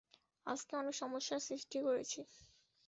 আজকে অনেক সমস্যার সৃষ্টি করেছি।